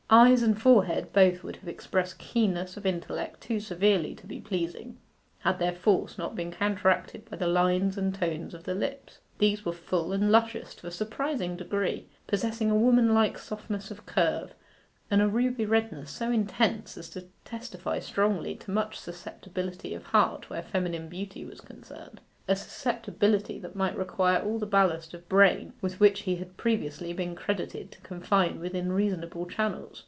Eyes and forehead both would have expressed keenness of intellect too severely to be pleasing, had their force not been counteracted by the lines and tone of the lips. These were full and luscious to a surprising degree, possessing a woman like softness of curve, and a ruby redness so intense, as to testify strongly to much susceptibility of heart where feminine beauty was concerned a susceptibility that might require all the ballast of brain with which he had previously been credited to confine within reasonable channels.